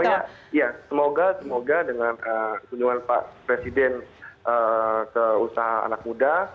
ya semoga semoga dengan kunjungan pak presiden ke usaha anak muda